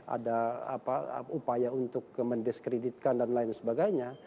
ada upaya untuk mendiskreditkan dan lain sebagainya